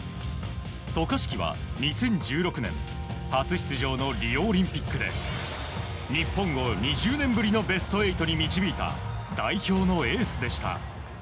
渡嘉敷は、２０１６年初出場のリオオリンピックで日本を２０年ぶりのベスト８に導いた代表のエースでした。